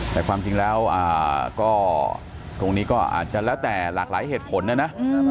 แต่ความจริงแล้วก็ตรงนี้ก็อาจจะแล้วแต่หลากหลายเหตุผลนะนะ